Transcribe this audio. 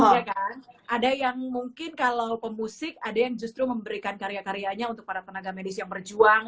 iya kan ada yang mungkin kalau pemusik ada yang justru memberikan karya karyanya untuk para tenaga medis yang berjuang